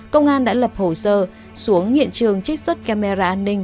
công an đã lập hồ sơ xuống hiện trường trích xuất camera an ninh